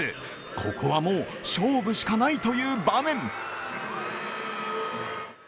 ここはもう勝負しかないという場面。